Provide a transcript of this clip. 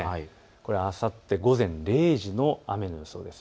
これはあさって午前０時の雨の予想です。